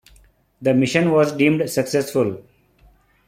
The mission was deemed successful.